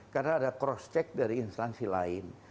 karena ada cross check dari instansi lain